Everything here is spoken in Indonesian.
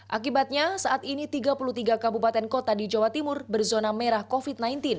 akibatnya saat ini tiga puluh tiga kabupaten kota di jawa timur berzona merah covid sembilan belas